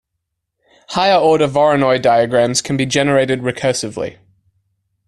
Higher-order Voronoi diagrams can be generated recursively.